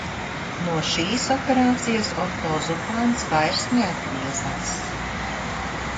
No šīs operācijas Otto Zupāns vairs neatgriezās.